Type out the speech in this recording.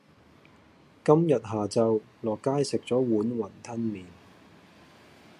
今日下晝落街食咗碗雲吞麪